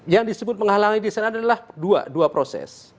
yang disebut penghalang disana adalah dua proses